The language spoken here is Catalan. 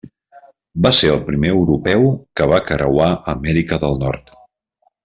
Va ser el primer europeu que va creuar Amèrica del Nord.